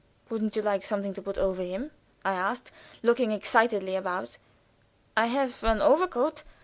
"Wouldn't you like something to put over him?" I asked, looking excitedly about. "I have an overcoat.